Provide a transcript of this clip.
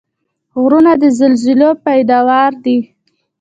غرونه د زلزلو پیداوار دي.